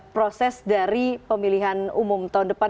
proses dari pemilihan umum tahun depan